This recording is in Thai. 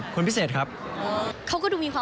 กุ๊บกิ๊บขอสงวนท่าที่ให้เวลาเป็นเครื่องท่าที่สุดไปก่อน